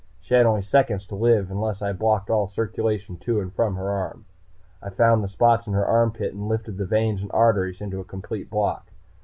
She had only seconds to live unless I blocked all circulation to and from her arm. I found the spots in her armpit and lifted the veins and arteries into a complete block.